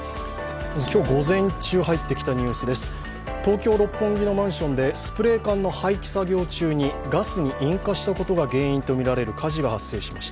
東京・六本木のマンションでスプレー缶の廃棄作業中にガスに引火したことが原因とみられる火事が発生しました。